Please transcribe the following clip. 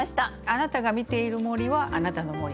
あなたが見ている森はあなたの森。